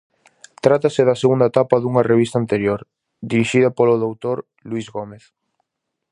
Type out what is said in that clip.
Trátase da segunda etapa dunha revista anterior, dirixida polo doutor Luís Gómez.